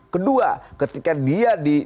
kedua ketika dia diragukan sebagai tokoh